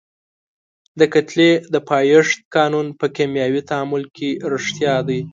د کتلې د پایښت قانون په کیمیاوي تعامل کې ریښتیا دی.